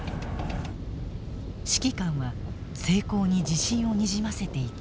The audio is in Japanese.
指揮官は、成功に自信をにじませていた。